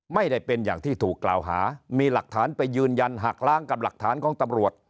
ไม่ได้เป็นอย่างที่ถูกกล่าวหามีหลักฐานไปยืนยันหักล้างกับหลักฐานของตำรวจ